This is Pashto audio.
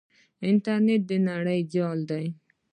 انټرنیټ د نړۍ جال دی.